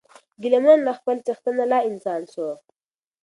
ګیله من له خپل څښتنه له انسان سو